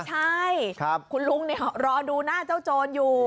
ไม่ใช่คุณลุงเนี่ยรอดูหน้าเจ้าโจรอยู่